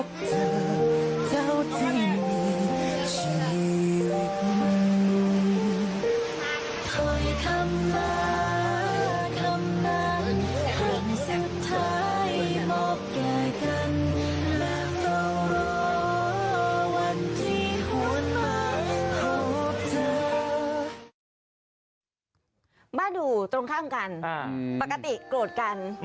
บ้านอยู่ตรงข้างกันปกติโกรธกัน